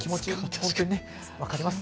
本当に分かりますね。